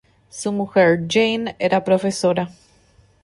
Su mujer, Jane, era profesora.